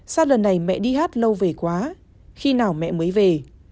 sau lần này mẹ đi hát lâu về quá khi nào mẹ mới về